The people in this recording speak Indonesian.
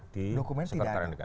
dokumen tidak ada